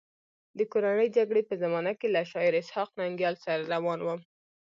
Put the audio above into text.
د کورنۍ جګړې په زمانه کې له شاعر اسحق ننګیال سره روان وم.